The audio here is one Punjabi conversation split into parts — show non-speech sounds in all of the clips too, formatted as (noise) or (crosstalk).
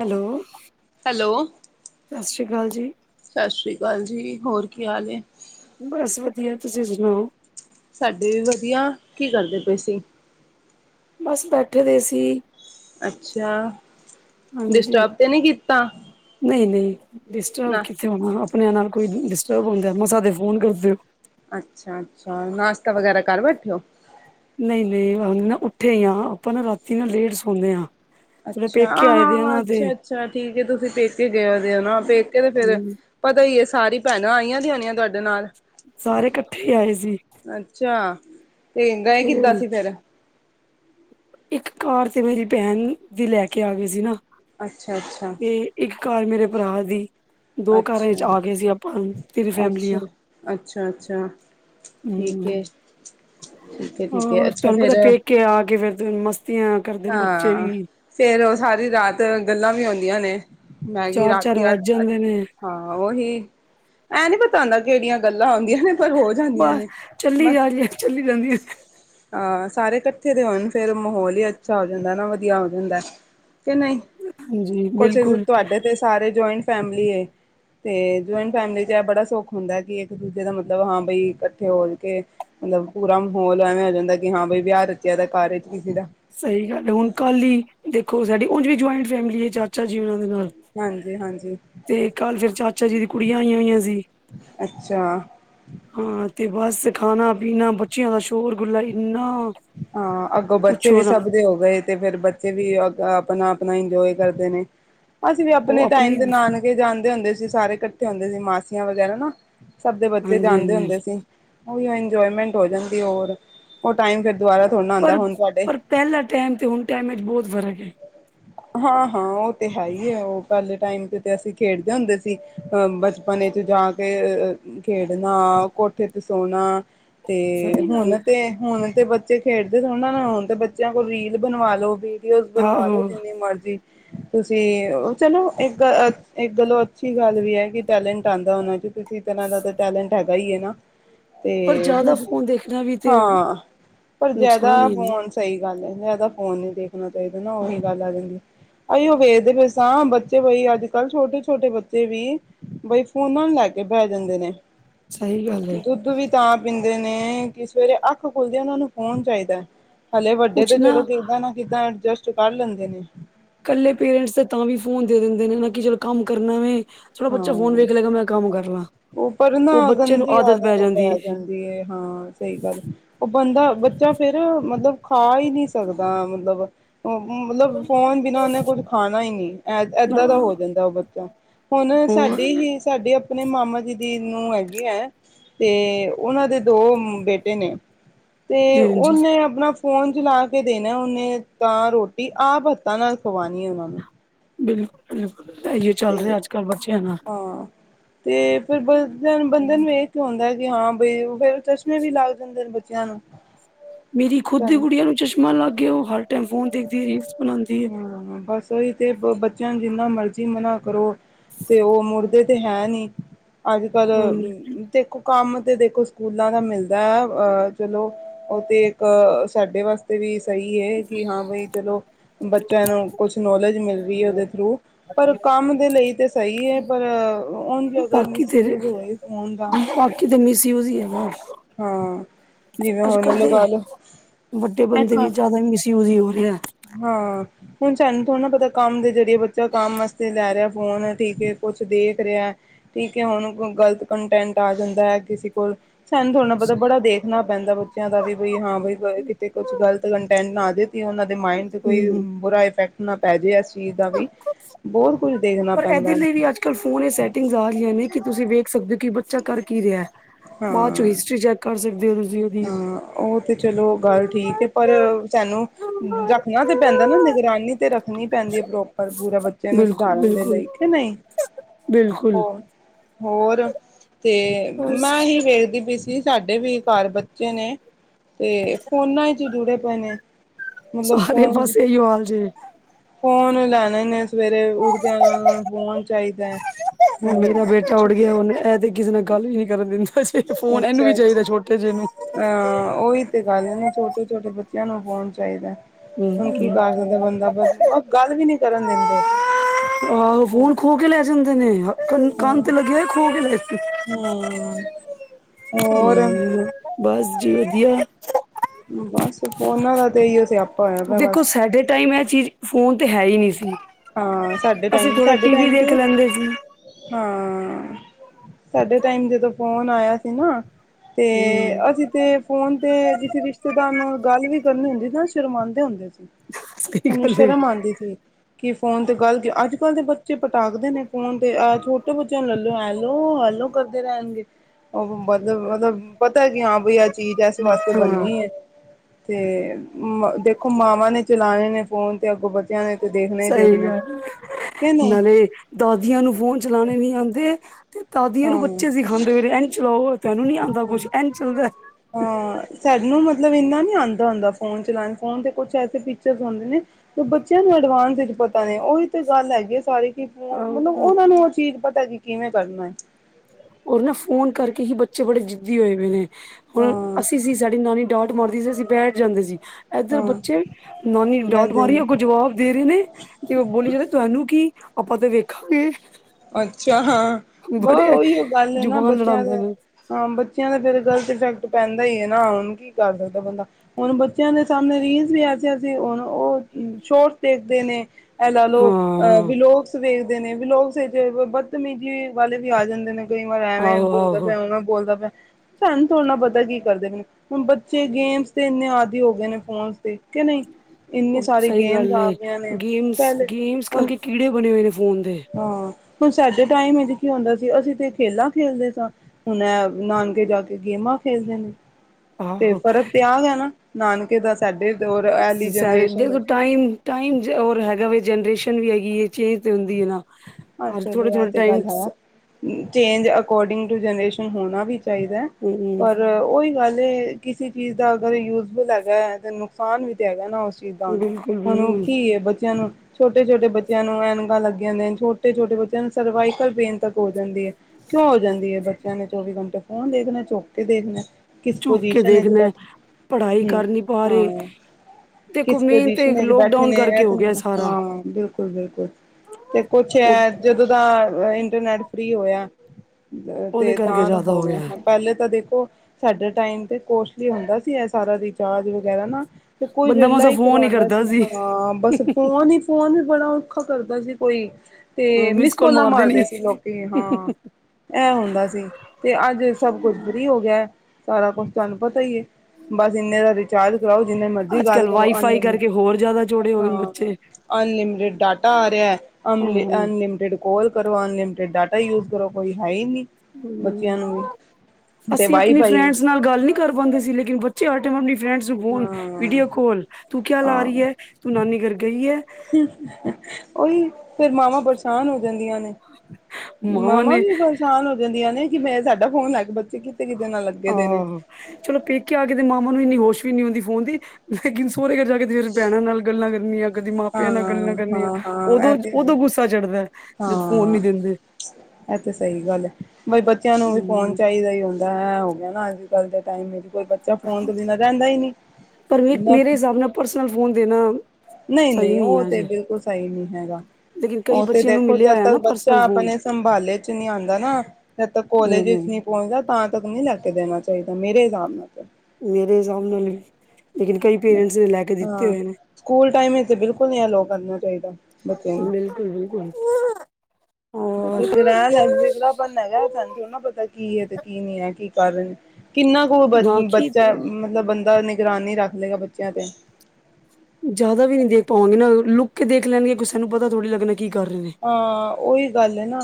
ਹੈਲੋ, ਹੈਲੋ, ਸਤਿ ਸ਼੍ਰੀ ਅਕਾਲ ਜੀ। ਸਤਿ ਸ਼੍ਰੀ ਅਕਾਲ ਜੀ, ਹੋਰ ਕੀ ਹਾਲ ਹੈ? ਬਸ ਵਧੀਆ ਤੁਸੀਂ ਸੁਣਾਓ? ਸਾਡੇ ਵੀ ਵਧੀਆ, ਕੀ ਕਰਦੇ ਪਏ ਸੀ।? ਬਸ ਬੈਠੇ ਦੇ ਸੀ। ਅੱਛਾ, ਡਿਸਟਰਬ ਤੇ ਨੀ ਕੀਤਾ‌, ਨਹੀਂ, ਨਹੀਂ, ਡਿਸਟਰਬ ਕਿੱਥੇ ਹੋਣਾ ਆਪਣਿਆਂ ਨਾਲ ਕੋਈ ਡਿਸਟਰਬ ਹੁੰਦਾ, ਮਸਾ ਤੇ ਫੋਨ ਕਰ ਦਿਓ। ਅੱਛਾ-ਅੱਛਾ, ਨਾਸ਼ਤਾ ਵਗੈਰਾ ਕਰ ਬੈਠਿਓ। ਨਹੀਂ-ਨਹੀਂ, ਨਾ ਉੱਠੇ ਹੀ ਆ ਆਪਾਂ ਨਾ ਰਾਤੀ ਨਾ ਲੇਟ ਸੌਦੇ ਹਾਂ। ਅੱਛਾ ਆ ਹਾਂ ਅੱਛਾ-ਅੱਛਾ ਠੀਕ ਹੈ ਤੁਸੀਂ ਪੇਕੇ ਗਏ ਨਾ ਪੇਕੇ ਤੇ ਫਿਰ ਹੂੰ, ਪਤਾ ਹੀ ਆ ਸਾਰੀ ਭੈਣਾਂ ਆਈਆਂ ਦੀ ਆਣੀਆਂ ਤੁਹਾਡੇ ਨਾਲ, ਸਾਰੇ ਇਕੱਠੇ ਆਏ ਸੀ। ਅੱਛਾ, ਤੇ ਗਏ ਕਿੱਦਾਂ ਸੀ ਫਿਰ। ਇੱਕ ਕਾਰ ਤੇ ਮੇਰੀ ਭੈਣ ਵੀ ਲੈ ਕੇ ਆ ਗਏ ਸੀ ਨਾ। ਅੱਛਾ-ਅੱਛਾ। ਤੇ ਇੱਕ ਘਰ ਮੇਰੇ ਭਰਾ ਦੀ। ਦੋ ਕਾਰਾਂ ਵਿੱਚ ਆ ਗਏ ਸੀ ਆਪਾਂ, ਤਿੰਨ ਫੈਮਲੀਆਂ, ਅੱਛਾ-ਅੱਛਾ-ਅੱਛਾ-ਅੱਛਾ। ਹੂੰ। ਠੀਕ ਏ। ਠੀਕ ਏ, ਠੀਕ ਏ, ਹੋਰ ਅੱਛਾ ਤੁਹਾਨੂੰ ਪਤਾ ਫੇਰ ਫੇਕੇ ਆ ਕੇ ਫਿਰ ਮਸਤੀਆਂ ਕਰਦੇ ਨੇ ਬੱਚੇ ਹਾਂ ਵੀ। ਫੇਰ ਉਹ ਸਾਰੀ ਰਾਤ ਗੱਲਾਂ ਵੀ ਆਉਂਦੀਆਂ ਨੇ ਮੈਗੀ ਚਾਰ ਚਾਰ ਰਾਤੀ। ਵੱਜ ਜਾਂਦੇ ਨੇ ਹਾਂ ਉਓਹੀ ਐਂ ਨੀ ਪਤਾ ਹੁੰਦਾ ਕਿਹੜੀਆਂ ਗੱਲਾਂ ਆਉਂਦੀਆਂ ਨੇ। ਪਰ ਹੋ ਬ ਜਾਂਦੀਆਂ ਨੇ ਚੱਲੀ ਬਸ। ਜਾ ਰਹੀ ਚੱਲੀ ਜਾਂਦੀ ਹੈ। ਹਾਂ ਸਾਰੇ ਇਕੱਠੇ ਦੇ ਹੋਣ ਫੇਰ ਮਾਹੌਲ ਹੀ ਅੱਛਾ ਹੋ ਜਾਂਦਾ ਨਾ, ਵਧੀਆ ਹੋ ਜਾਂਦਾ ਕਿ ਨਹੀਂ। ਹਾਂਜੀ ਕੁਛ ਬਿਲਕੁਲ ਤੁਹਾਡੇ ਤੇ ਸਾਰੇ ਜਆਇੰਟ ਫੈਮਲੀ ਤੇ ਜੁਆਇੰਟ ਫੈਮਿਲੀ ਚ ਬੜਾ ਸੁਖ ਹੁੰਦਾ ਹੈ, ਕਿ ਇੱਕ ਦੂਜੇ ਦਾ ਮਤਲਬ ਹਾਂ ਬਈ ਇਕੱਠੇ ਹੋ ਕੇ। ਮਤਲਬ ਪੂਰਾ ਮਾਹੌਲ ਐਵੇਂ ਹੋ ਜਾਂਦਾ, ਕਿ ਹਾਂ ਬਈ ਵਿਹ ਰਚਿਆ ਦਾ ਕਾਰ ਕਿਸੇ ਦਾ। ਸਹੀ ਗੱਲ ਹੈ, ਹੁਣ ਕੱਲ ਹੀ ਦੇਖੋ ਸਾਡੀ ਉਝ ਵੀ ਜੁਆਇੰਟ ਫੈਮਿਲੀ ਹੈ ਚਾਚਾ ਜੀ ਉਹਨਾਂ ਦੇ ਨਾਲ। ਹਾਂਜੀ ਹਾਂਜੀ ਤੇ ਕੱਲ੍ਹ ਫਿਰ ਚਾਚਾ ਜੀ ਦੀ ਕੁੜੀਆਂ ਆਈਆਂ ਹੋਈਆਂ ਸੀ। ਅੱਛਾ ਹਾਂ ਤੇ ਬਸ ਖਾਣਾ ਪੀਣਾ ਬੱਚਿਆਂ ਦਾ ਸ਼ੋਰ ਗੁਲਾ ਇਨਾ। ਹਾਂ ਅੱਗੋਂ ਬੱਚੇ ਵੀ ਸਭ ਦੇ ਹੋ ਗਏ। ਤੇ ਫੇਰ ਬੱਚੇ ਵੀ ਅ ਆਪਣਾ-ਆਪਣਾ ਇੰਜੋਏ ਕਰਦੇ ਨੇ ਅਸੀ ਵੀ ਉਹ ਆਪਣੇ ਟਾਈਮ ਆਪਣੀ ਦੇ ਨਾਨਕ। ਜਾਂਦੇ ਹੁੰਦੇ ਸੀ ਸਾਰੇ ਇਕੱਠੇ ਹੁੰਦੇ ਸੀ, ਮਾਸੀਆਂ ਵਗੈਰਾ ਨਾ ਸਭ ਦੇ ਬੱਚੇ ਹਾਂਜੀ ਜਾਂਦੇ ਹਾਂਜੀ ਹੁੰਦੇ ਸੀ। ਉਹੀ ਇੰਜੋਮੈਂਟ ਹੋ ਜਾਂਦੀ ਹੈ, ਹੋਰ ਉਹ ਟਾਈਮ ਫਿਰ ਦੁਬਾਰਾ ਥੋੜੀ ਨਾ ਆਉਂਦਾ ਹੈ, ਪਰ ਹੁਣ ਤੁਡੇ ਪਰ ਪਹਿਲਾ ਟਾਈਮ ਤੇ ਹੁਣ ਟਾਈਮ ਵਿੱਚ ਬਹੁਤ ਫ਼ਰਕ ਏ। ਹਾਂ-ਹਾਂ, ਉਹ ਤੇ ਹੈ ਹੀ ਹੈ, ਉਹ ਪਹਿਲਾ ਟਾਈਮ ਤੇ ਤੇ ਅਸੀਂ ਖੇਡਦੇ ਹੁੰਦੇ ਸੀ, ਅ ਬਚਪਨ ਚ ਜਾ ਖੇਡਣਾ, ਕੋਠੇ ਤੇ ਸੋਣਾ ਤੇ ਸਹੀ ਗੱਲ ਹੁਣ ਤੇ ਹੁਣ ਤੇ ਬੱਚੇ ਖੇਡਦੇ ਥੋੜਾ ਨਾ ਹੁਣ ਤੇ ਬੱਚਿਆਂ ਕੋਲ ਰੀਲ ਬਣ ਲੋ, ਵੀਡੀਓਜ਼ ਬਣਵਾ ਲੋ। ਆਹੋ ਜਿੰਨੀ ਮਰਜ਼ੀ ਤੁਸੀਂ ਚਲੋ ਇੱਕ ਇੱਕ ਗੱਲੋਂ ਅੱਛੀ ਗੱਲ ਵੀ ਹੈ ਕਿ ਟੈਲੈਂਟ ਆਉਂਦਾ ਉਹਨਾ ਚ। ਇਸ ਤਰ੍ਹਾਂ ਦਾ ਤਾਂ ਟੈਲੈਂਟ ਹੈਗਾ ਹੀ ਹੈ ਨਾ। ਪਰ ਤੇ ਜ਼ਿਆਦਾ ਦੂ ਫੋਨ ਦੇਖਣਾ ਵੀ ਤੇ ਹਾਂ ਪਰ ਜਿਆਦਾ ਨੁਕਸਾਨ ਹੀ ਨਾ ਸਹੀ ਗੱਲ ਹੈ, ਜਾਂਦਾ ਫੋਨ ਨੀ ਦੇਖਣਾ ਚਾਹੀਦਾ, ਨਾ ਉਹੀ ਗੱਲ ਆ ਜਾਂਦੀ ਹੈ ਆਈ ਉਹ ਵੇਖਦੇ ਹਾਂ ਬੱਚੇ ਬਈ ਅੱਜ-ਕੱਲ੍ਹ ਛੋਟੇ-ਛੋਟੇ ਬੱਚੇ ਵੀ ਬਈ ਫੋਨਾਂ ਨੂੰ ਲੈ ਕੇ ਬਹਿ ਜਾਂਦੇ ਨੇ ਸਹੀ ਗੱਲ ਹੈ ਦੁੱਧ ਵੀ ਤਾਂ ਪੀਂਦੇ ਨੇ ਕਿ ਸਵੇਰੇ ਅੱਖ ਖੁੱਲਦੇ ਉਹਨਾ ਨੂੰ ਫੋਨ ਚਾਹੀਦਾ। ਹਲੇ ਵੱਡੇ ਕੁਛ ਤੇ ਨਾ ਚਲੋ ਕਿੱਦਾਂ ਨਾ ਕਿੱਦਾਂ ਅਡਜਸਟ ਕਰ ਲੈਂਦੇ ਨੇ। ਇਕੱਲੇ ਪੇਰੈਂਟਸ ਤੇ ਤਾਂ ਵੀ ਫੋਨ ਦੇ ਦਿੰਦੇ ਨੇ, ਨਾ ਕਿ ਚਲ ਕੰਮ ਕਰਨਾ ਵੇਂ। ਚਲੋ ਬੱਚਾ ਫੋਨ ਹਾਂ ਵੇਖ ਲਗਾ ਮੈਂ ਕੰਮ ਕਰ ਲਾਂ। ਉਹ ਪਰ ਨਾ ਗੰਦੀ ਆਦਤ ਪੈ ਜਾਂਦੀ ਹੈ, ਹਾਂ ਸਹੀ ਗੱਲ ਏ। ਉਹ ਬੰਦਾ ਬੱਚਾ ਫੇਰ ਮਤਲਬ ਖਾ ਹੀ ਨਹੀਂ ਸਕਦਾ, ਮਤਲਬ-ਮਤਲਬ ਫੋਨ ਬਿਨਾ ਉਹਨੇ ਕੁੱਝ ਖਾਣਾ ਹੀ ਨੀ, ਹੈ ਏਦਾਂ ਦਾ ਹੋ ਜਾਂਦਾ ਉਹ ਬੱਚਾ। ਹੁਣ ਸਾਡੀ ਹੋਰ ਹੀ ਸਾਡੇ ਆਪਣੇ ਮਾਮਾ ਜੀ ਦੀ ਨੂੰ ਹੈਗੇ ਹੈ ਤੇ ਉਹਨਾਂ ਦੇ ਦੋ ਬੇਟੇ ਨੇ। ਤੇ ਜੀ ਹਾਂਜੀ ਉਹਨੇ ਆਪਣਾ ਫੋਨ ਚਲਾ ਕੇ ਦੇਣਾ, ਉਹਨੇ ਤਾਂ ਰੋਟੀ ਆਪ ਹੱਥਾਂ ਨਾਲ ਖਵਾਉਣੀ ਹੈ ਉਹਨਾਂ ਨੂੰ। ਬਿਲਕੁਲ, ਬਿਲਕੁਲ ਅਇਓ, ਚੱਲ ਰਿਹਾ ਤੇ ਅੱਜ-ਕੱਲ੍ਹ ਬੱਚੇ ਨਾਲ। ਹਾਂ ਤੇ ਫਿਰ ਬੰਦੇ ਨੂੰ ਹੁੰਦਾ ਕਿ ਹਾਂ, ਬਈ ਫ਼ੇਰ ਚਸ਼ਮੇ ਵੀ ਲੱਗ ਜਾਂਦੇ ਨੇ ਬੱਚਿਆਂ ਨੂੰ। ਮੇਰੀ ਖੁਦ ਦੀ ਹਮ ਕੁੜੀਆਂ ਨੂੰ ਚਸ਼ਮਾ ਲੱਗ ਗਿਆ, ਉਹ ਹਰ ਟਾਈਮ ਫੋਨ ਦੇਖਦੀ ਰੀਲਸ ਬਣਾਉਂਦੀ ਹੈ। ਬਸ ਤੇ ਬੱਚਿਆਂ ਨੂੰ ਜਿੰਨਾ ਮਰਜ਼ੀ ਮਨਾ ਕਰੋ, ਤੇ ਉਹ ਮੁੜਦੇ ਤੇ ਹੈ, ਨੀ। ਅੱਜ-ਕੱਲ੍ਹ, ਦੇਖੋ ਕੰਮ ਤੇ ਦੇਖੋ ਸਕੂਲਾਂ ਦਾ ਮਿਲਦਾ ਹੈ, ਚਲੋ ਉਹ ਤੇ ਇੱਕ ਸਾਡੇ ਵਾਸਤੇ ਅਤੇ ਵੀ ਸਹੀ ਹੈ ਕਿ, ਹਾਂ ਬਈ ਚਲੋ ਬੱਚਿਆਂ ਨੂੰ ਕੁਛ ਨੌਲੇਜ ਮਿਲ ਰਹੀ ਹੈ ਉਹਦੇ ਤੋ। ਪਰ ਕੰਮ ਦੇ ਲਈ ਤਾਂ ਸਹੀ ਹੈ, ਪਰ ਉਝ ਅਗਰ ਮਿਸਯੂਜ ਹੋਏ ਫੋਨ ਦਾ ਕਿਤੇ ਮਿਸਯੂਜ ਹੀ ਹੈ। ਹਾਂ। ਜਿਵੇਂ ਹੁਣ ਅੱਜ-ਕੱਲ ਦੇ ਲਗਾ ਲੋ ਵੱਡੇ ਬੰਦੇ ਵੀ ਜ਼ਿਆਦਾ ਮਿਸਯੂਜ ਹੀ ਹੋ ਰਹੇ ਹੈ। ਹਾਂ। ਹੁਣ ਸਾਨੂੰ ਥੋੜਾ ਪਤਾ ਕੰਮ ਦੇ ਜਰੀਏ ਬੱਚਾ ਕੰਮ ਵਾਸਤੇ ਲੈ ਰਿਹਾ ਫੋਨ ਠੀਕ ਕੁਛ ਦੇਖ ਰਿਹਾ ਹੈਂ। ਠੀਕ ਹੈ ਹੁਣ ਗਲਤ ਕੰਟੈਂਟ ਆ ਜਾਂਦਾ ਹੈ ਕਿਸੇ ਕੋਲ। ਸਾਨੂੰ ਥੋੜਾ ਨਾ ਪਤਾ ਬੜਾ ਦੇਖਣਾ ਪੈਂਦਾ ਵੇ। ਬੱਚਿਆਂ ਦਾ ਵੀ ਬਈ ਹਾਂ ਬਈ ਕਿਤੇ ਕੁੱਛ ਗ਼ਲਤ ਕੰਟੈਂਟ ਨਾ ਆ ਜਾਵੇ ਬਈ ਉਹਨਾਂ ਦੇ ਮਾਈੰਡ ਤੇ ਕੋਈ ਹਮ ਹਮ ਬੁਰਾ ਇਫੈਕਟ ਨਾ ਪੈ ਜਾਏ ਇਸ। ਚੀਜ਼ ਦਾ ਵੀ ਬਹੁਤ ਕੁਝ ਦੇਖਣਾ ਪੈਂਦਾ ਹੈ। ਫ਼ੋਨ ਚ ਸੈਟਿੰਗ ਆ ਰਹੀਆਂ ਨੇ ਕਿ ਤੁਸੀਂ ਵੇਖ ਸਕਦੇ ਹੋ ਕਿ ਬੱਚਾ ਕਰ ਕੀ ਰਿਹਾ ਹੈ। ਬਾਅਦ ਚ ਹਾਂ ਹਿਸਟਰੀ ਚੈੱਕ ਕਰ ਸਕਦੇ ਹੋ ਤੁਸੀਂ ਉਹਦੀ। ਹਾਂ ਉਹ ਤੇ ਚਲੋ ਗੱਲ ਠੀਕ ਹੈ ਪਰ ਸਾਨੂੰ। ਰੱਖਣਾ ਤੇ ਪੈਂਦਾ ਨਾ ਨਿਗਰਾਨੀ ਤੇ ਰੱਖਣੀ ਪੈਂਦੀ ਹੈ। ਪ੍ਰੋਪਰ ਪੂਰਾ ਬ ਬੱਚੇ ਨੂੰ ਬਿਲਕੁਲ, ਸੁਧਾਰਨ ਦੇ ਬਿਲਕੁਲ, ਲਈ ਕਿ ਨਹੀਂ ਬਿਲਕੁਲ ਹੋਰ। ਹੋਰ ਤੇ ਮੈਂ ਇਹੀ ਵੇਖਦੀ ਪਈ ਸੀ। ਸਾਡੇ ਵੀ ਘਰ ਬੱਚੇ ਨੇ ਤੇ ਫੋਨਾਂ ਚ ਜੁੜੇ ਪਏ ਨੇ। ਮਤਲਬ ਸਾਰੇ ਫੋਨ ਪਾਸੇ ਇਹੀ ਹੋ ਹਾਲ ਜੇ। ਫੋਨ ਲੈਣੇ ਨੇ ਸਵੇਰੇ ਉੱਠਦਿਆਂ ਨਾਲ ਫੋਨ ਚਾਹੀਦਾ ਹੈ। ਹੁਣ ਮੇਰਾ ਬੇਟਾ ਉੱਠ ਗਿਆ। ਉਹਨੇ ਇਹ ਤੇ ਕਿਸੇ ਨਾਲ ਗੱਲ ਵੀ ਨੀ ਕਰਨ ਦਿੰਦਾ ਜੀ। ਫੋਨ ਇਹਨੂੰ ਵੀ ਚਾਹੀਦਾ ਛੋਟੇ ਜਿਹੇ ਨੂੰ। ਹਾਂ ਉਹੀ ਤੇ ਗੱਲ ਨਾ ਛੋਟੇ ਛੋਟੇ ਬੱਚਿਆਂ ਨੂੰ ਫੋਨ ਚਾਹੀਦਾ ਹੈ। ਹੁਣ ਕੀ ਹੂੰ-ਹੂੰ। ਕਰ ਸਕਦਾ ਬੰਦਾ ਬ ਉਹ ਗੱਲ ਵੀ ਨਹੀਂ ਕਰਨ ਦਿੰਦੇ। ਆਹੋ ਫੋਨ ਖੋ ਕੇ ਲੈ ਜਾਂਦੇ ਨੇ ਕੰਨ ਹਾਂ ਤੇ ਲੱਗਿਆ ਖੋ ਕੇ ਲੈ। ਹੂੰ ਹੋਰ। ਹੂੰ ਬਸ ਜੀ ਵਧੀਆ। ਬਸ ਫੋਨਾਂ ਦਾ ਤੇ ਇਹੀ ਸਿਆਪਾ। ਹੋਇਆ ਪਿਆ ਦੇਖੋ ਬਸ ਸਾਡੇ ਟਾਈਮ ਇਹ ਚੀਜ਼ ਫੋਨ ਤੇ ਹੈ ਹੀ ਨਹੀਂ ਸੀ। ਹਾਂ ਸਾਡੇ ਅਸੀਂ ਟਾਈਮ ਥੋੜਾ ਸਾਡੇ ਟੀ ਵੀ ਟਾਈਮ ਦੇਖ ਤੇ ਲੈਂਦੇ ਸੀ। ਹਾਂ, ਸਾਡੇ ਟਾਈਮ ਜਦੋਂ ਫੋਨ ਆਇਆ ਸੀ ਨਾ। ਤੇ ਹੂੰ ਅਸੀਂ। ਤੇ ਫੋਨ ਤੇ ਕਿਸੇ ਰਿਸ਼ਤੇਦਾਰ ਨਾਲ਼ ਗੱਲ ਵੀ ਕਰਨੀ ਹੁੰਦੀ ਸੀ ਨਾ ਸ਼ਰਮਾਉਦੇ ਹੁੰਦੇ ਸੀ। ਸਹੀ ਮੈਨੂੰ ਗੱਲ ਏ। ਸ਼ਰਮ ਆਉਂਦੀ ਸੀ। ਕਿ ਫੋਨ ਤੇ ਗੱਲ ਕੀ ਅੱਜ ਕੱਲ੍ਹ ਦੇ ਬੱਚੇ ਪਟਾਕਦੇ ਨੇ ਫੋਨ ਤੇ ਅ ਛੋਟੇ ਬੱਚਿਆਂ ਨੂੰ ਲੈਲੋ ਹੈਲੋ ਹੈਲੋ। ਕਰਦੇ ਰਹਿਣਗੇ ਉਹ ਮਤਲਬ ਮਤਲਬ ਪਤਾ ਕਿ ਹਾਂ ਬਈ ਅੱਜ। ਚੀਜ਼ ਇਸ ਵਾਸਤੇ ਹਾਂ ਬਣਨੀ ਹੈ। ਤੇ ਦੇਖੋ ਮਾਵਾਂ ਨੇ ਚਲਾਏ ਨੇ ਫੋਨ ਤੇ ਅੱਗੋਂ ਬੱਚਿਆਂ। ਨੇ ਤੇ ਦੇਖਣਾ ਹੀ ਸਹੀ ਦੇਖਣਾ। ਗੱਲ ਹੈ ਕਿ ਨਹੀਂ ਨਾਲੇ। ਦਾਦੀਆਂ ਨੂੰ ਫੋਨ ਚਲਾਉਣੇ ਨਹੀਂ ਆਉਂਦੇ ਤੇ। ਦਾਦੀਆਂ ਨੂੰ ਹਾਂ। ਬੱਚੇ ਸਿਖਾਉਂਦੇ ਫਿਰ ਐਨ ਚਲਾਓ ਤੈਨੂੰ ਨੀ ਆਉਂਦਾ ਕੁਛ ਇੰਝ ਚੱਲਦਾ। ਹਾਂ ਸਾਨੂੰ ਮਤਲਬ ਇੰਨਾ ਨੀ ਆਉਂਦਾ ਹੁੰਦਾ ਫੋਨ ਚਲਾਉਣ ਫੋਨ ਤੇ ਕੁਛ ਐਸੇ ਫੀਚਰ ਹੁੰਦੇ ਨੇ। ਤੇ ਬੱਚਿਆਂ ਨੂੰ ਐਡਵਾਂਸ ਵਿੱਚ ਪਤਾ ਨੇ ਉਹੀ। ਇਹ ਤੇ ਗੱਲ ਹੈਗੀ ਸਾਰੀ ਕਿ ਫੋਨ ਮਤਲਬ ਆਹ ਉਹਨਾਂ ਨੂੰ ਉਹ ਚੀਜ਼ ਪਤਾ ਕਿ ਕਿਵੇਂ ਕਰਨਾ ਹੈ। ਹੁਣ ਨਾ ਫੋਨ ਕਰਕੇ ਹੀ ਬੱਚੇ ਬੜੇ ਜਿੱਦੀ ਹੋਏ ਪਏ ਨੇ ਹੁਣ ਹਾਂ ਅਸੀਂ। ਜੇ ਸਾਡੀ ਨਾਨੀ ਡਾਟ ਮਾਰਦੀ ਸੀ। ਅਸੀਂ ਬੈਠ ਜਾਂਦੇ ਸੀ। ਏੱਧਰ ਹਾਂ ਬੱਚੇ ਨਾਨੀ ਡਾਟ ਬਣਦੇ ਮਾਰੀ ਹੈ। ਨੇ ਅੱਗੋਂ ਜਵਾਬ। ਦੇ ਰਹੇ ਨੇ ਕਿ ਉਹ ਬੋਲੀ ਜਾਦੇ ਤੁਹਾਨੂੰ ਕੀ ਆਪਾਂ ਤੇ ਵੇਖਾਂਗੇ। ਅੱਛਾ ਹਾਂ ਬਸ ਬੜੇ ਉਹੀ ਗੱਲ ਹੈ ਨਾ ਜ਼ੁਬਾਨ ਬੱਚਿਆਂ ਲੜਾਂਦੇ ਦਾ। ਨੇ ਹਾਂ ਬੱਚਿਆਂ ਦਾ ਫੇਰ ਗ਼ਲਤ ਇਫੈਕਟ ਪੈਂਦਾ ਹੀ ਹੈ ਨਾ ਹੁਣ ਕੀ ਕਰ ਸਕਦਾ ਬੰਦਾ। ਹੁਣ ਬੱਚਿਆਂ ਦੇ ਸਾਹਮਣੇ ਰੀਲਸ ਵੀ ਐਸੀ ਐਸੀ ਹੁਣ ਉਹ ਸ਼ੋਰਟਸ ਦੇਖਦੇ ਨੇ। ਇਹ ਲਾ ਲਓ ਅ ਹਾਂ ਵਲੋਗਜ ਵੇਖਦੇ ਨੇ ਵਲੋਗਜ਼ ਵਿੱਚ ਬਦਤਮੀਜੀ ਵਾਲੇ ਵੀ ਆ ਜਾਂਦੇ ਨੇ। ਕਈ ਵਾਰ ਐਵੇਂ ਬੋਲਦਾ ਆਹੋ-ਆਹੋ। ਪਿਆ ਉਵੇਂ ਬੋਲਦਾ ਪਿਆ ਫੇਨਸ ਨੂੰ ਥੋੜਾ ਪਤਾ ਕੀ ਕਰਦੇ ਪਏ ਨੇ। ਹੁਣ ਬੱਚੇ ਗੇਮਸ ਤੇ ਇੰਨੇ ਆਦਿ ਹੋ ਗਏ ਨੇ ਫੋਨ ਤੇ ਕਿ ਨਹੀਂ। ਇੰਨੀ ਉਹ ਸਾਰੀ ਸਹੀ ਗੇਮਸ ਗੱਲ ਆ ਹੈ। ਗਈਆਂ ਨੇ ਗੇਮਸ, ਪਹਿਲੇ ਗੇਮਸ ਹੁਣ ਕਰਕੇ ਕੀੜੇ ਬਣੇ ਹੋਏ ਨੇ ਫੋਨ ਦੇ। ਹਾਂ, ਹੁਣ ਸਾਡੇ ਟਾਈਮ ਵਿੱਚ ਕੀ ਹੁੰਦਾ ਸੀ। ਅਸੀਂ ਤੇ ਖੇਲਾਂ ਖੇਲਦੇ ਸਾਂ। ਹੁਣ ਅਹ ਨਾਨਕੇ ਜਾ ਕੇ ਗੇਮਾਂ ਖੇਲਦੇ ਨੇ। ਤੇ ਆਹੋ ਫਰਕ ਪਿਆ ਆ ਗਿਆ ਨਾਨਕੇ ਦਾ ਸਾਡੇ ਕੋਲ ਐਲੀ ਸਾਰੇ ਜਨਰੇਸ਼ਨ। ਦੇਖੋ ਟਾਈਮ। ਟਾਈਮ ਜੇ ਔਰ ਹੈਗਾ ਵੀ ਜਨਰੇਸ਼ਨ ਵੀ ਹੈਗੀ ਹੈ। ਚੇਂਜ ਤੇ ਹੁੰਦੀ ਹੈ ਨਾ। ਹਾਂ ਅੱਜ ਚਲੋ ਥੋੜੇ- ਇਹ ਥੋੜੇ ਤੇ ਗੱਲ ਟਾਈਮਸ। ਹੈ। ਚੇਂਜ ਅਕੋਡਿੰਗ ਟੂ ਜਨਰੇਸ਼ਨ ਹੋਣਾ ਵੀ ਚਾਹੀਦਾ, ਹੂੰ ਪਰ ਉਹੀ ਗੱਲ ਹੈ। ਕਿਸੇ ਚੀਜ਼ ਦਾ ਅਗਰ ਯੂਜਫੁਲ ਹੈਗਾ ਹੈ ਤੇ ਨੁਕਸਾਨ ਵੀ ਤਾਂ ਹੈਗਾ ਨਾ ਉਸ। ਚੀਜ਼ਾਂ ਦਾ ਬਿਲਕੁਲ ਹੁਣ ਬਿਲਕੁਲ ਕੀ ਏ ਬੱਚਿਆਂ ਨੂੰ ਛੋਟੇ -ਛੋਟੇ ਬੱਚਿਆਂ ਨੂੰ ਐਨਕਾਂ ਲੱਗੀਆਂ ਦੀਆਂ ਨੇ। ਛੋਟੇ- ਛੋਟੇ ਬੱਚਿਆਂ ਨੂੰ ਸਰਵਾਈਕਲ ਪੇਨ ਤੱਕ ਹੋ ਜਾਂਦੀ ਹੈ। ਕਿਉਂ ਹੋ ਜਾਂਦੀ ਹੈ। ਬੱਚਿਆਂ ਨੇ ਚੌਵੀ ਘੰਟੇ ਫੋਨ ਦੇਖਣਾ ਚੁੱਕ ਕੇ ਦੇਖਣਾ। ਕਿਸ ਝੁਕ ਕੇ ਪਜੀਸ਼ਨ ਹੈ। ਅਸੀਂ ਦੇਖਣਾ ਬੈਠ ਪੜ੍ਹਾਈ ਹੂੰ ਕਰ ਨੀ ਪਾ ਰਹੇ ਹਾਂ। ਦੇਖੋ ਕਿਸ ਮੇਨ ਤੇ ਪੁਜੀਸ਼ਨ ਵਿੱਚ ਬੈਠੇ ਲੋਕਡਾਊਨ ਨੇ ਇਹ ਕਰਕੇ ਤੇ ਹੋ ਨੀ ਗਿਆ ਪਤਾ ਸਾਰਾ ਹਾਂ ਬਿਲਕੁਲ- ਬਿਲਕੁਲ। ਤੇ ਕੁਛ ਉਹ ਹੈ, ਜਦੋਂ ਦਾ ਇੰਟਰਨੈਟ ਫ੍ਰਰੀ ਹੋਇਆ ਉਹਦੇ ਤੇ ਕਰਕੇ ਤਾਂ ਦਾ ਜ਼ਿਆਦਾ ਹੋ ਗਿਆ ਹਾ। ਪਹਿਲੇ ਤਾਂ ਦੇਖੋ ਸਾਡੇ ਟਾਈਮ ਤੇ ਕੋਸਟਲੀ ਹੁੰਦਾ ਸੀ ਏ ਸਾਰਾ ਰਿਚਾਰਜ ਵਗੈਰਾ ਨਾ ਤੇ ਕੋਈ ਬੰਦਾ ਵਿਹਲਾ ਮਸਾ ਹੀ ਫੋਨ ਕਰਵਾਉਂਦਾ ਕਰਦਾ ਸੀ ਹਾਂ ਬਸ ਫੋਨ ਹੀ ਫੋਨ ਵੀ ਬੜਾ ਔਖਾ ਕਰਦਾ ਸੀ ਕੋਈ, ਤੇ ਮਿਸ ਕੋਲਾਂ ਮਾਰਦੇ ਸੀ ਲੋਕੀ ਹਾਂ। ਇਹ ਹੁੰਦਾ ਸੀ, ਤੇ ਅੱਜ ਸਭ ਕੁੱਝ ਫ੍ਰਰੀ ਹੋ ਗਿਆ। ਸਾਰਾ ਕੁਛ ਤੁਹਾਨੂੰ ਪਤਾ ਹੀ, ਬਸ ਇੰਨੇ ਦਾ ਰਿਚਾਰਜ ਕਰੋ ਜਿੰਨੇ ਮਰਜ਼ੀ ਅੱਜ ਗੱਲ ਕੱਲ ਕਰੋ ਵਾਈਫਾਈ ਅਨਲਿਮ ਕਰਕੇ ਹੋਰ ਜ਼ਿਆਦਾ ਜੋੜੇ ਹੋ ਗਏ ਨੇ ਹਾਂ ਬੱਚੇ ਅਨਲਿਮਿਟਿਡ ਡਾਟਾ ਆ ਰਿਹਾ ਹੈ ਹਾਂ ਅਨਲਿਮਟਿਡ ਕੋਲ ਕਰੋ, ਅਨਲਿਮਟਿਡ ਡਾਟਾ ਯੂਜ ਕਰੋ ਕੋਈ ਹੈ ਹੀ ਨਹੀਂ। ਹੂੰ। ਬੱਚਿਆਂ ਨੂੰ ਤੇ ਅਸੀਂ ਆਪਣੀ ਵਾਈਫਾਈ ਫਰੈਂਡਸ ਗੱਲ ਨਹੀਂ ਕਰ ਪਾਉਂਦੇ ਸੀ ਲੇਕਿਨ ਬੱਚੇ ਹਰ ਟਾਈਮ ਆਪਣੇ ਫੈਂਡੋਨ ਫੋਨ, ਹਾਂ ਵੀਡੀਓ ਕਾਲ ਤੂੰ ਕਿਆ ਲਾ ਰਹੀ ਆਹੋ ਹੈ ਤੂੰ ਨਾਨੀ ਘਰ ਗਈ ਹੈ। (unintelligible) (unintelligible) ਉਹੀ ਫੇਰ ਮਾਵਾਂ ਪਰੇਸ਼ਾਨ ਹੋ ਜਾਂਦੀਆਂ ਨੇ ਮਾਵਾਂ ਮਾਵਾ ਨੇ ਵੀ ਪਰੇਸ਼ਾਨ ਹੋ ਜਾਂਦੀਆਂ ਨੇ ਕਿ ਮੈਂ ਸਾਡਾ ਫੋਨ ਲੈ ਕੇ ਬੱਚੇ ਕਿ ਆ, ਚਲੋ ਪੇਕੇ ਆ ਕੇ ਮਾਵਾ ਨੂੰ ਇੰਨੀ ਹੋਸ਼ ਵੀ ਨਹੀਂ ਹੁੰਦੀ ਫੋਨ ਦੀ ਲੇਕਿਨ ਸਹੁਰੇ ਘਰ ਜਾ ਕੇ ਭੈਣਾਂ ਨਾਲ ਗੱਲਾਂ ਕਰਨੀਆਂ। ਕਦੀ ਮਾਂ-ਪਿਓ ਹਾਂ ਨਾਲ ਗੱਲਾਂ ਕਰਨੀਆਂ ਹਾਂ ਹਾਂ ਇਹ ਉਦੋਂ ਤੇ ਹੈ ਉਦੋਂ ਗੁੱਸਾ ਚੜਦਾ ਜਦੋਂ ਫੋਨ ਨਹੀ ਹਾਂ ਦਿੰਦੇ। ਇਹ ਤੇ ਸਹੀ ਗੱਲ ਹੈ ਬਈ ਬੱਚਿਆਂ ਨੂੰ ਵੀ ਫੋਨ ਹਮ ਚਾਹੀਦਾ ਹੀ ਹੁਣ ਐ ਹੋ ਗਿਆ ਨਾ ਅੱਜ-ਕੱਲ ਦੇ ਟਾਈਮ ਕੋਈ ਬੱਚਾ ਫੋਨ ਤੋਂ ਬਿਨਾ ਰਹਿੰਦਾ ਹੀ ਨੀ। ਪਰ ਮੇਰੇ ਹਿਸਾਬ ਨਾਲ ਪਰਸਨਲ ਫੋਨ ਦੇਣਾ ਸਹੀ ਨਹੀਂ-ਨਹੀਂ ਨਹੀਂ ਉਹ ਹੈ ਤੇ ਹਜੇ ਬਿਲਕੁਲ ਸਹੀ ਨਹੀਂ ਹੈਗਾ ਲੇਕਿਨ ਕਈ ਉਹ ਤੇ ਬੱਚਿਆਂ ਨੂੰ ਦੇਖੋ ਮਿਲਿਆ ਜਦ ਹੋਇਆ ਤੱਕ ਨਾ ਬੱਚਾ ਪਰਸਨਲ ਫੋਨ ਆਪਣੇ ਸੰਭਾਲੇ ਚ ਨੀ ਆਉਂਦਾ ਨਾ ਜਦ ਤੱਕ ਹਮ ਕਾਲਜ ਵਿੱਚ ਹਮ ਨਹੀਂ ਪਹੁੰਚਦਾ ਤਾਂ ਤੱਕ ਨਹੀਂ ਲੈ ਕੇ ਦੇਣਾ ਚਾਹੀਦਾ ਮੇਰੇ ਹਿਸਾਬ ਨਾਲ ਮੇਰੇ ਹਿਸਾਬ ਨਾਲ, ਲੇਕਿਨ ਕਈ ਪੇਰੈਂਟਸ ਨੇ ਲੈ ਕੇ ਦਿੱਤੇ ਹਾਂ ਹੋਏ ਨੇ। ਸਕੂਲ ਟਾਈਮ ਵਿੱਚ ਬਿਲਕੁਲ ਨੀ ਐਲਾੳ ਕਰਨਾ ਚਾਹੀਦਾ। ਬੱਚੇ ਨੂੰ ਬਿਲਕੁਲ ਜੀ ਬਿਲਕੁਲ ਔਰ ਗਾਹ ਲੱਗ ਕਿਹੜਾ ਬਣਨ ਹੈ (unintelligible) (unintelligible) ਸਾਨੂੰ ਥੋੜਾ ਪਤਾ ਕੀ ਹੈ ਤੇ ਕੀ ਨਹੀਂ ਹੈ ਕੀ ਕਰ ਰਹੇ ਕਿੰਨਾ ਕੁ ਬ ਬਾਕੀ ਬੱਚਾ ਮਤਲਬ ਬੰਦਾ ਨਿਗਰਾਨੀ ਰੱਖ ਲਏਗਾ ਬੱਚਿਆਂ ਤੇ ਜ਼ਿਆਦਾ ਵੀ ਨਹੀ ਦੇਖ ਪਾਵਾਂਗੇ ਨਾ, ਲੁੱਕ ਕੇ ਦੇਖ ਲੈਣਗੇ ਕਿਸੇ ਨੂੰ ਪਤਾ ਥੋੜ੍ਹੀ ਲੱਗਣਾ ਕੀ ਕਰ ਰਹੇ ਨੇ ਹਾਂ ਉਹੀ ਗੱਲ ਹੈ ਨਾ,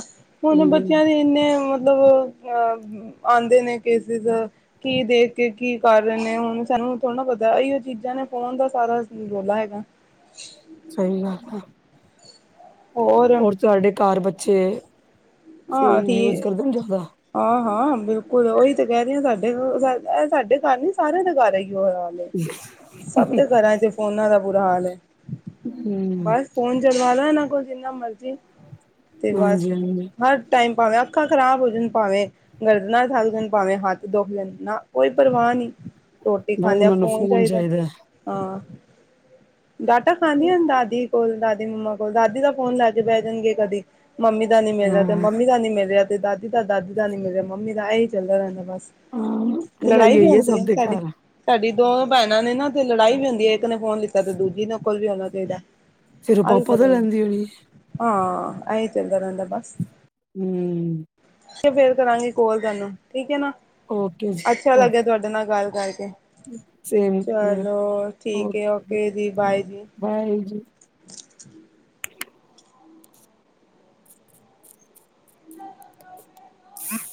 ਹੁਣ ਹੂੰ ਬੱਚਿਆਂ ਦੀ ਇੰਨੇ ਮਤਲਬ ਅਹ ਆਉਂਦੇ ਨੇ ਕੇਸਿਸਅ ਕੀ ਦੇਖ ਕੇ ਕੀ ਕਰ ਰਹੇ ਨੇ ਹੁਣ ਸਾਨੂੰ ਥੋੜਾ ਪਤਾ ਇਹੋ ਚੀਜ਼ਾਂ ਨੇ ਫੋਨ ਦਾ ਸਾਰਾ ਰੋਲਾ ਹੈਗਾ। ਸਹੀ ਗੱਲ ਹੈ। ਹੋਰ ਤੁਹਾਡੇ ਘਰ ਬੱਚੇ ਆ ਫੋਨ ਯੂਜ ਠੀਕ ਕਰਦੇ ਨੇ ਜ਼ਿਆਦਾ। ਅ ਹਾਂ ਬਿਲਕੁਲ ਉਹੀ ਤੇ ਕਹਿ ਰਹੀ ਹਾਂ ਸਾਡੇ ਇਹ ਸਾਡੇ ਘਰ ਨੀ ਸਾਰਿਆਂ ਦੇ ਘਰ ਇਹੀ ਓ ਹੈਗਾ। ਸਭ ਦੇ ਘਰਾਂ 'ਚ ਫੋਨਾਂ ਦਾ ਬੁਰਾ ਹਾਲ ਹੈ ਹੂੰ ਬਸ ਫੋਨ ਚਲਵਾ ਲਾ ਇਹਨਾਂ ਕੋਲ ਜਿੰਨਾ ਮਰਜ਼ੀ ਤੇ ਬਸ ਹਾਂਜੀ ਹਾਂਜੀ ਹਰ ਟਾਈਮ ਭਾਵੇਂ ਅੱਖਾਂ ਖ਼ਰਾਬ ਹੋ ਜਾਣ ਭਾਵੇਂ ਗਰਦਨਾਂ ਥੱਕ ਜਾਣ ਭਾਵੇਂ ਹੱਥ ਦੁਖ ਜਾਣ ਨਾ ਕੋਈ ਪਰਵਾਹ ਨਹੀਂ। ਰੋਟੀ ਬ ਖਾਂਦਿਆਂ ਉਹਨਾਂ ਨੂੰ ਫੋਨ ਚਾਹੀਦਾ। ਹਾਂ ਡਾਂਟਾ ਖਾਂਦੀਆਂ ਦਾਦੀ ਕੋਲ ਦਾਦੀ ਮੰਮਾ ਕੋ ਦਾਦੀ ਦਾ ਫੋਨ ਲੈ ਕੇ ਬਹਿ ਜਾਣਗੇ ਕਦੀ ਮੰਮੀ ਦਾ ਨੀ ਮਿਲਦਾ ਤੇ ਹਾਂ ਮੰਮੀ ਦਾ ਨੀ ਮਿਲ ਤੇ ਦਾਦੀ ਤਾਂ ਦਾਦੀ ਦਾ ਨੀ ਮਿਲ ਰਿਹਾ ਮੰਮੀ ਦਾ ਇਹੀ ਚੱਲਦਾ ਰਹਿੰਦਾ ਬਸ ਹਾਂ ਲੜਾਈ ਖਿਲਾਈ ਵੀ ਹੋਈ ਹੁੰਦੀ ਸਭ ਹੈ ਦੇ ਸਾਡੀ ਘਰ ਸਾਡੀ ਦੋ ਭੈਣਾਂ ਨੇ ਨਾ ਤੇ ਲੜਾਈ ਵੀ ਹੁੰਦੀ ਹੈ ਇੱਕ ਨੇ ਫੋਨ ਲਿੱਤਾ ਤੇ ਦੂਜੀ ਨ ਕੋਲ ਵੀ ਆਉਣਾ ਚਾਹੀਦਾ। ਫੇਰ ਉਹ ਪਾਪਾ ਤੋਂ ਲੈਂਦੀ (unintelligible) ਹੋਣੀ। ਆ ਐ ਚਲਦਾ ਰਹਿੰਦਾ ਬਸ ਹੂੰ ਅਸੀਂ ਫੇਰ ਕਰਾਂਗੇ ਕੋਲ ਤੈਨੂੰ ਠੀਕ ਹੈ ਨਾ ਓਕੇ ਜੀ ਅੱਛਾ ਲੱਗਿਆ ਓਕੇ ਤੁਹਾਡੇ ਨਾਲ ਗੱਲ ਕਰਕੇ ਸੇਮ ਹੀਅਰ, ਚਲੋ ਠੀਕ ਹੈ ਓਕੇ ਜੀ ਬਾਏ ਜੀ। ਬਾਏ ਜੀ। ਹਮ